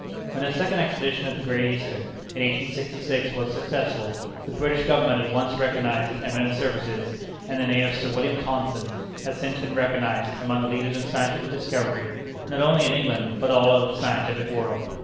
When the second expedition of the Great Eastern (in 1866) was successful, the British Government at once recognized his eminent services; and the name of Sir William Thomson has since been recognized, among the leaders in scientific discovery, not only in England but all over the scientific world.